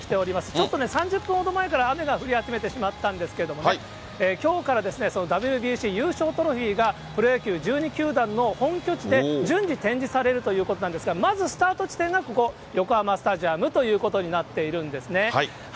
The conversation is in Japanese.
ちょっとね、３０分ほど前から、雨が降り始めてしまったんですけれども、きょうからＷＢＣ優勝トロフィーが、プロ野球１２球団の本拠地で、順次展示されるということなんですが、まずスタート地点がここ、横浜スタジアムということになっているんですね。